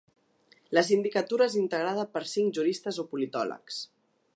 La sindicatura és integrada per cinc juristes o politòlegs.